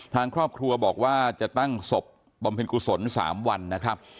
ทางครอบครัวบอกว่าจะตั้งศพบำเพ็ญกุศล๓วันนะครับ